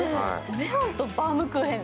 メロンとバウムクーヘン